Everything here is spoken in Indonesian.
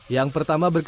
yang pertama berubah